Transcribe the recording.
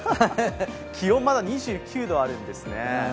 気温、まだ２９度あるんですね。